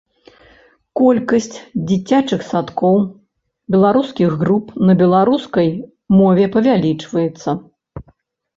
Колькасць дзіцячых садкоў, беларускіх груп на беларускай мове павялічваецца.